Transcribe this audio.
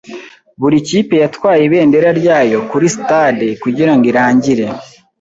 Buri kipe yatwaye ibendera ryayo kuri stade kugirango irangire.